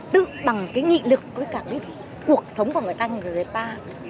tự bằng cái nghị lực với cả cái cuộc sống của người ta như người ta